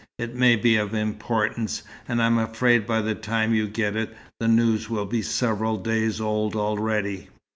It may be of importance; and I'm afraid by the time you get it, the news will be several days old already."